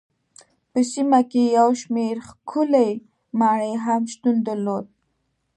په سیمه کې یو شمېر ښکلې ماڼۍ هم شتون درلود.